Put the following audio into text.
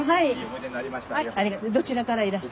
どちらからいらした。